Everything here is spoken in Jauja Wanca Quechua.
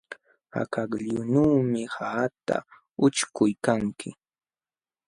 Akakllunuumi qaqata ućhkuykanki.